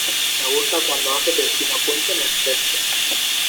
Me gusta cuando haces el pino puente en el césped.